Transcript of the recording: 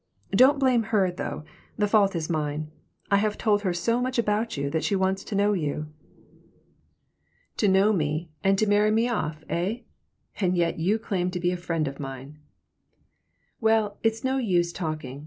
Don't blame her, though. The fault is mine. I have told her so much about you she wants to know you." "To know me and to marry me off, hey? And yet you claim to be a friend of mine." "Well, it's no use talking.